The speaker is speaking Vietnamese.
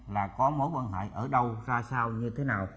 là có mối quan hệ ở đâu ra sao như thế nào